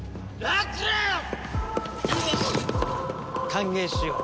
歓迎しよう。